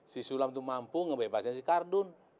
si sulam tuh mampu ngebebasin si gardung